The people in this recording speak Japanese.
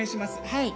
はい。